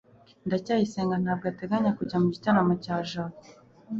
ndacyayisenga ntabwo ateganya kujya mu gitaramo cya jabo